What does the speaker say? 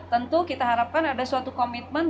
tentu kita harapkan ada suatu komitmen